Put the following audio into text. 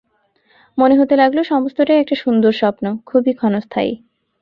মনে হতে লাগল সমস্তটাই একটা সুন্দর স্বপ্ন, খুবই ক্ষণস্থায়ী।